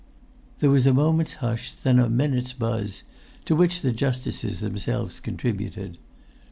There was a moment's hush, then a minute's buzz, to which the justices themselves contributed.